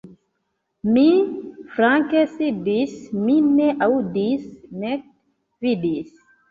Mi flanke sidis, mi ne aŭdis nek vidis.